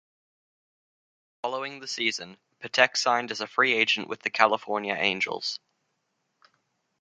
Following the season, Patek signed as a free agent with the California Angels.